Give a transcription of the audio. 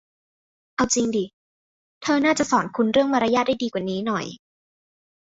เอาจริงดิ เธอน่าจะสอนคุณเรื่องมารยาทได้ดีกว่านี้หน่อย